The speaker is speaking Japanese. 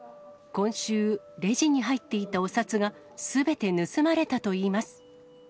今週、レジに入っていたお札がすべて盗まれたといいます。